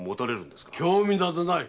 興味などない。